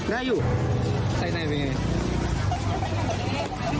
ได้อยู่ใส่ในมันเป็นยังไง